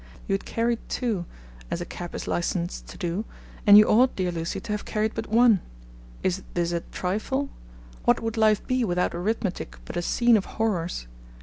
You had carried two (as a cab is licensed to do), and you ought, dear Lucie, to have carried but one. Is this a trifle? What would life be without arithmetic but a scene of horrors?